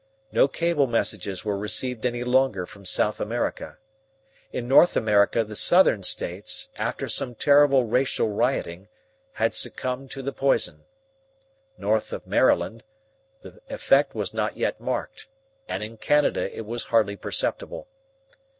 No cable messages were received any longer from South America. In North America the southern states, after some terrible racial rioting, had succumbed to the poison. North of Maryland the effect was not yet marked, and in Canada it was hardly perceptible.